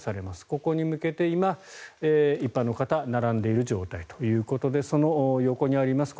ここに向けて今、一般の方が並んでいる状態ということでその横にあります